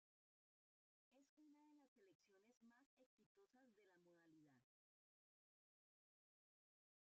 Es una de las selecciones más exitosas de la modalidad.